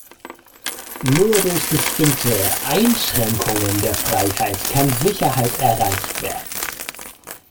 Nur durch bestimmte Einschränkungen der Freiheit kann Sicherheit erreicht werden.